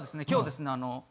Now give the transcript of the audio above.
今日ですね